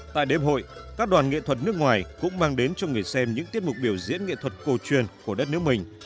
tại đêm hội các đoàn nghệ thuật nước ngoài cũng mang đến cho người xem những tiết mục biểu diễn nghệ thuật cổ truyền của đất nước mình